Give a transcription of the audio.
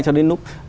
cho đến lúc